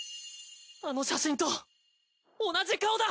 あの写真と同じ顔だ！